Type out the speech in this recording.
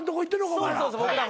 お前ら。